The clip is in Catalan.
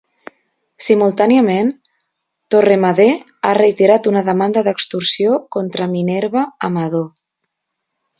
Simultàniament, Torremadé ha retirat una demanda d'extorsió contra Minerva Amador.